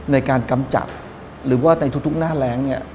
ในการกำจัดหรือว่าในทุกหน้าแรงเนี่ย